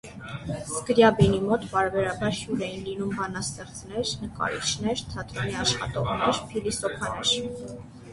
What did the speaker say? Սկրյաբինի մոտ պարբերաբար հյուր էին լինում բանաստեղծներ, նկարիչներ, թատրոնի աշխատողներ, փիլիսոփաներ։